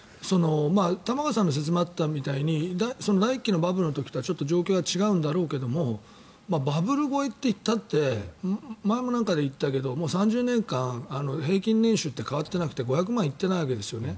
玉川さんの説明にあったみたいに第１期のバブルの時とはちょっと状況は違うんだろうけれどもバブル超えといったって前も何かで言ったけどもう３０年間平均年収って変わっていなくて５００万円行っていないんですよね。